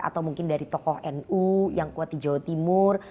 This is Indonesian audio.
atau mungkin dari tokoh nu yang kuat di jawa timur